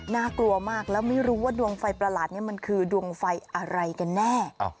น่ากลัวมากแล้วไม่รู้ว่าดวงไฟประหลาดนี้มันคือดวงไฟอะไรกันแน่